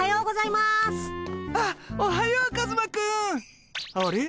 あっおはようカズマくん。あれ？